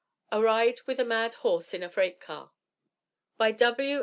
A RIDE WITH A MAD HORSE A FREIGHT CAR By W.